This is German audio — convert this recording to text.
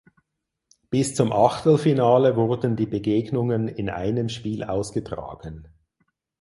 Bis zum Achtelfinale wurden die Begegnungen in einem Spiel ausgetragen.